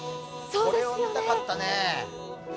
これを見たかったね。